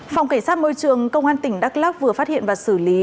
phòng cảnh sát môi trường công an tỉnh đắk lắc vừa phát hiện và xử lý